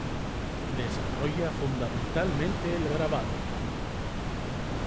Desarrolla fundamentalmente el grabado.